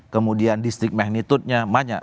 kemudian distrik magnitude nya